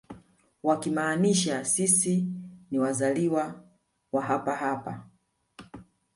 Wakimaanisha sisi ni wazaliwa wa hapa hapa